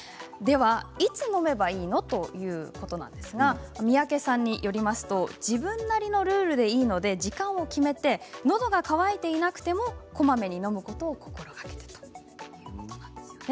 いつ飲めばいいの？ということですが、三宅さんによりますと自分なりのルールでいいので時間を決めてのどが渇いていなくてもこまめに飲むことを心がけてということです。